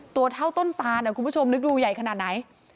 ตัวเท่าต้นตานคุณผู้ชมนึกดูใหญ่ขนาดไหน